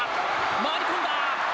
回り込んだ。